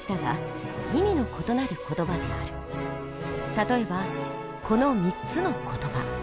例えばこの３つの言葉。